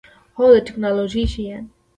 هو، د تکنالوژۍ شیان